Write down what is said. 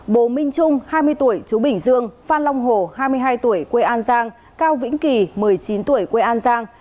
bố minh trung hai mươi tuổi chú bình dương phan long hồ hai mươi hai tuổi quê an giang cao vĩnh kỳ một mươi chín tuổi quê an giang